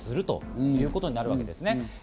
そういうことになるわけです。